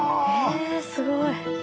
えすごい。